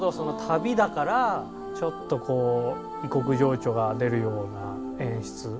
旅だからちょっとこう異国情緒が出るような演出。